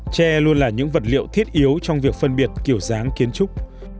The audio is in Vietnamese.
tre luôn là những vật liệu thiết yếu trong việc phân biệt kiểu dáng kiến trúc